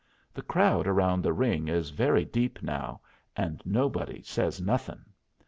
The crowd around the ring is very deep now, and nobody says nothing.